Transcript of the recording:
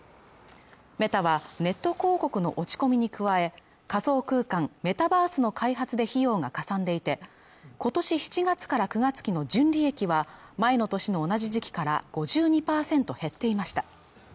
メタはネット広告の落ち込みに加え仮想空間メタバースの開発で費用がかさんでいてことし７月から９月期の純利益は前の年の同じ時期から５２％減っていました